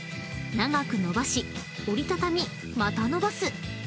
［長く伸ばし折り畳みまた伸ばす］